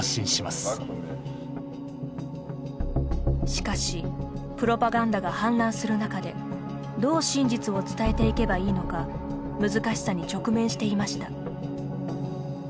しかし、プロパガンダが氾濫する中でどう真実を伝えていけばいいのか難しさに直面していました。